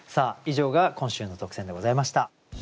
以上が今週の特選でございました。